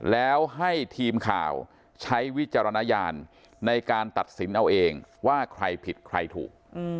แล้วให้ทีมข่าวใช้วิจารณญาณในการตัดสินเอาเองว่าใครผิดใครถูก